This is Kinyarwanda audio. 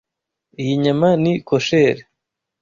Iyi nyama ni kosher.